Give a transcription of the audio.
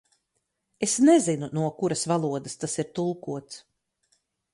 Es nezinu, no kuras valodas tas ir tulkots.